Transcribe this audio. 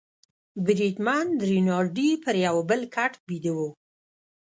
بریدمن رینالډي پر یوه بل کټ بیده وو.